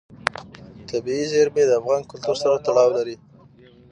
طبیعي زیرمې د افغان کلتور سره تړاو لري.